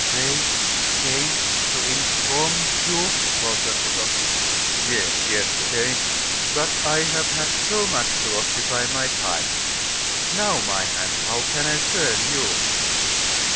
"They came to inform you " faltered Lecoq. "Yes, yesterday; but I have had so much to occupy my time. Now, my man, how can I serve you?"